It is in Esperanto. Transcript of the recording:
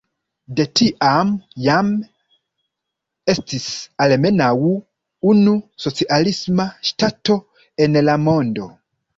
De tiam jam estis almenaŭ unu socialisma ŝtato en la mondo.